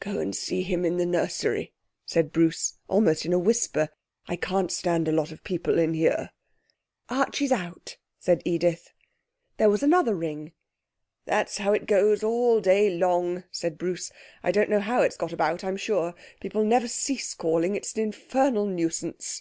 'Go and see him in the nursery,' said Bruce, almost in a whisper. 'I can't stand a lot of people in here.' 'Archie's out,' said Edith. There was another ring. 'That's how it goes on all day long,' said Bruce. 'I don't know how it's got about, I'm sure. People never cease calling! It's an infernal nuisance.'